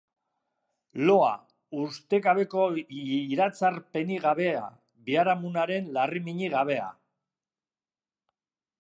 Loa, ustekabeko iratzarpenik gabea, biharamunaren larriminik gabea.